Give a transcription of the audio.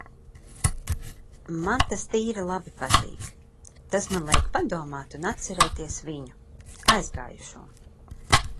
Man tas tīri labi patīk. Tas man liek padomāt un atcerēties viņu - aizgājušo.